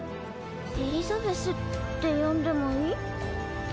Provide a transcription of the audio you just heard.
エリザベスって呼んでもいい？